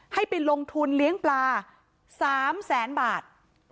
ให้ไปลงทุนเลี้ยงปลา๓แสนบาท